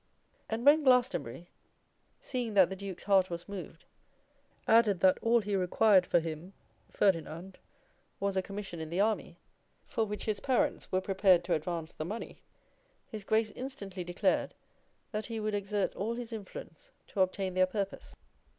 And when Glastonbury, seeing that the Duke's heart was moved, added that all he required for him, Ferdinand, was a commission in the army, for which his parents were prepared to advance the money, his Grace instantly declared that he would exert all his influence to obtain their purpose.